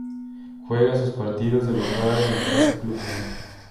Juega sus partidos de local en la Casa Club León.